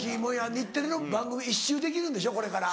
日テレの番組１周できるんでしょこれから。